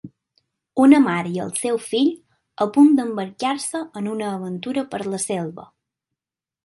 Una mare i el seu fill a punt d'embarcar-se en una aventura per la selva.